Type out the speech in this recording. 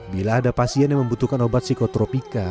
bila ada pasien yang membutuhkan obat psikotropika